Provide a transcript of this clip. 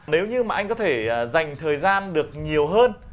nếu như mà anh có thể dành thời gian được nhiều hơn